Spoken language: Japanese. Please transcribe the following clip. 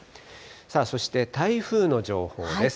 そして台風の情報です。